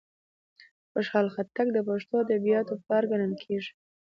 خوشال خټک د پښتو ادبیاتوپلار کڼل کیږي.